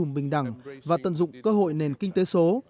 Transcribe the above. tạo cơ hội bình đẳng và tận dụng cơ hội nền kinh tế số